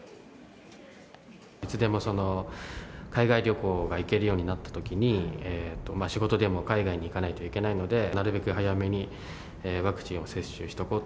いつでも海外旅行が行けるようになったときに、仕事でも海外に行かないといけないので、なるべく早めにワクチンを接種しとこうと。